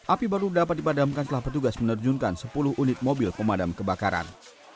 api baru dapat dipadamkan setelah petugas menerjunkan sepuluh unit mobil pemadam kebakaran